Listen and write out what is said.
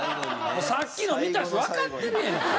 もうさっきの見たしわかってるやんけ。